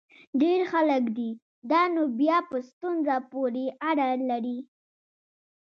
ډېر خلک دي؟ دا نو بیا په ستونزه پورې اړه لري.